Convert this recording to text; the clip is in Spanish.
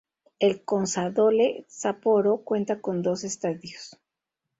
El Consadole Sapporo cuenta con dos estadios.